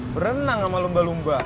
berenang sama lumba lumba